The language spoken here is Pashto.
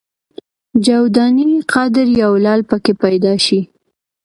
جو دانې قدر یو لعل په کې پیدا شي.